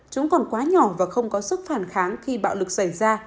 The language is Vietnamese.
chúng còn quá nhỏ và không có sức phản kháng khi bạo lực xảy ra